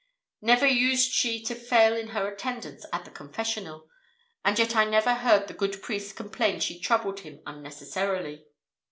Never used she to fail in her attendance at the confessional, and yet I never heard the good priest complain she troubled him unnecessarily.